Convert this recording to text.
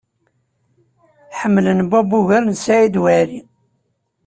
Ḥemmlen Bob ugar n Saɛid Waɛli.